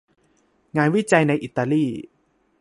งานวิจัยในอิตาลี